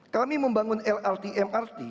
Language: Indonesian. kami membangun lrt mrt